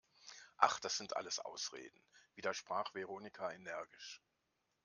Ach, das sind alles Ausreden!, widersprach Veronika energisch.